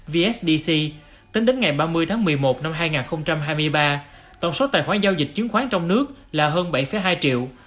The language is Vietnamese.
vsdc tính đến ngày ba mươi tháng một mươi một năm hai nghìn hai mươi ba tổng số tài khoản giao dịch chứng khoán trong nước là hơn bảy hai triệu